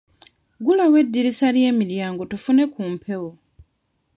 Ggulawo eddirisa ly'emiryango tufune ku mpewo.